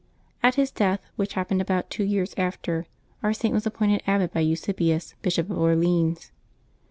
At his death, which happened about two years after, our Saint was appointed abbot by Eusebius, Bishop of Orleans.